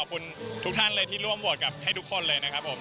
ขอบคุณทุกท่านเลยที่ร่วมโหวตกับให้ทุกคนเลยนะครับผม